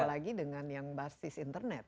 apalagi dengan yang basis internet